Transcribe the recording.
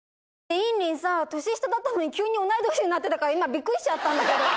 インリンさん、年下だったのに、急に同い年になってたから、今、びっくりしちゃったんだけど。